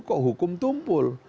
kok hukum tumpul